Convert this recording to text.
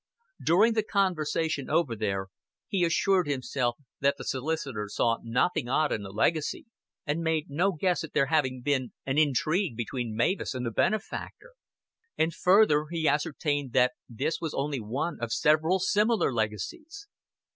During the conversation over there he assured himself that the solicitor saw nothing odd in the legacy, and made no guess at there having been an intrigue between Mavis and the benefactor; and further he ascertained that this was only one of several similar legacies.